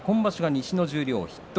西の十両筆頭。